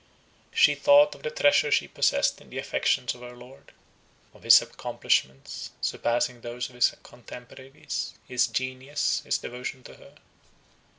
She thought of the treasure she possessed in the affections of her lord; of his accomplishments, surpassing those of his contemporaries, his genius, his devotion to her.